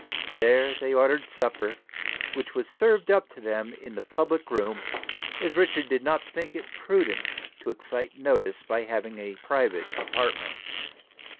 There they ordered supper, which was served up to them in the public room, as Richard did not think it prudent to excite notice by having a private apartment.